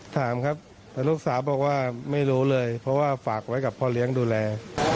ถามครับแต่ลูกสาวบอกว่าไม่รู้เลยเพราะว่าฝากไว้กับพ่อเลี้ยงดูแล